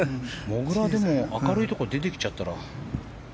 モグラ、でも明るいところに出てきちゃったら。